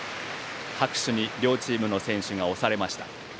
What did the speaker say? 拍手に両チームの選手が押されました。